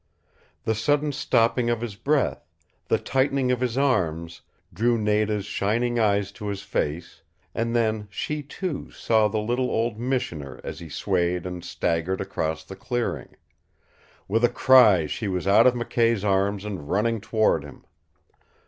The sudden stopping of his breath the tightening of his arms drew Nada's shining eyes to his face, and then she, too, saw the little old Missioner as he swayed and staggered across the clearing. With a cry she was out of McKay's arms and running toward him.